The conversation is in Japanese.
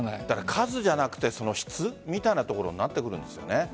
数じゃなくて質みたいなところになってくるんですよね。